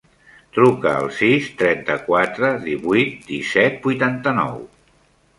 Truca al sis, trenta-quatre, divuit, disset, vuitanta-nou.